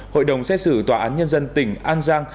hội đồng xét xử tòa án nhân dân tỉnh an giang